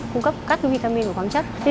cung cấp các cái vitamin của quán chất